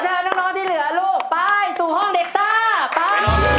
เชิญน้องที่เหลือลูกไปสู่ห้องเด็กซ่าไป